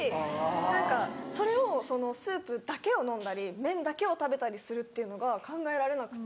何かそれをスープだけを飲んだり麺だけを食べたりするっていうのが考えられなくて。